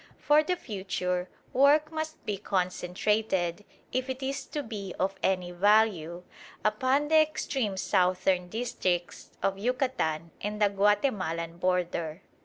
For the future, work must be concentrated, if it is to be of any value, upon the extreme southern districts of Yucatan and the Guatemalan border.